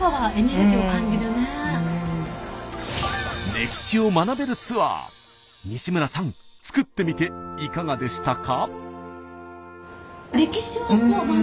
歴史を学べるツアー西村さん作ってみていかがでしたか？